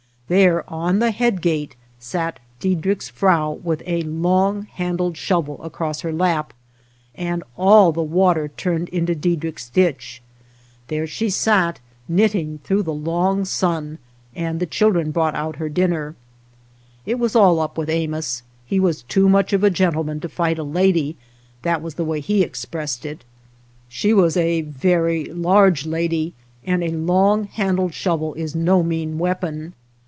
There on the headgate sat Diedrick's frau with a long handled shovel across her lap 227 OTHER WATER BORDERS '^nd all the water turned into Diedrick's ditch ; there she sat knitting through the long sun, and the children brought out her dinner. It was all up with Amos ; he was too much of a gentleman to fight a lady — that was the way he expressed it. She was a very large lady, and a long handled shovel is no mean weapon.